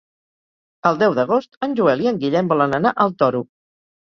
El deu d'agost en Joel i en Guillem volen anar al Toro.